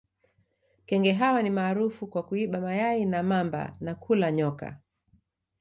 Kenge hawa ni maarufu kwa kuiba mayai ya mamba na kula nyoka